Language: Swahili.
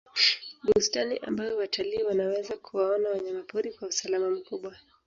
bustani ambayo watalii wanaweza kuwaona wanyamapori kwa usalama mkubwa